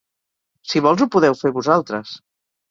Si vols, ho podeu fer vosaltres.